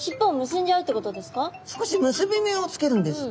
少し結び目をつけるんです。